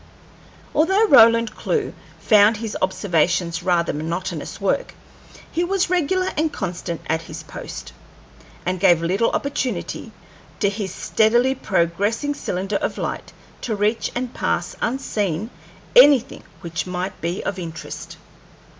Although Roland Clewe found his observations rather monotonous work, he was regular and constant at his post, and gave little opportunity to his steadily progressing cylinder of light to reach and pass unseen anything which might be of interest.